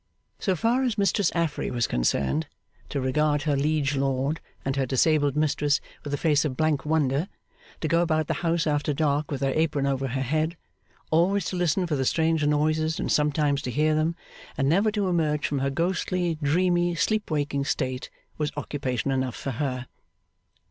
So far as Mistress Affery was concerned, to regard her liege lord and her disabled mistress with a face of blank wonder, to go about the house after dark with her apron over her head, always to listen for the strange noises and sometimes to hear them, and never to emerge from her ghostly, dreamy, sleep waking state, was occupation enough for her.